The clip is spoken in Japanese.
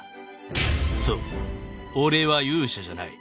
「そう俺は勇者じゃない」